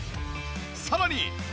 さらに。